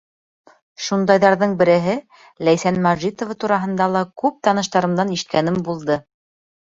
Шундайҙарҙың береһе — Ләйсән Мәжитова тураһында ла күп таныштарымдан ишеткәнем булды.